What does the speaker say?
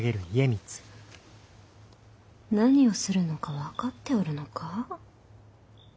何をするのか分かっておるのか？